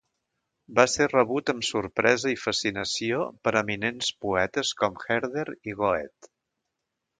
Va ser rebut amb sorpresa i fascinació per eminents poetes com Herder i Goethe.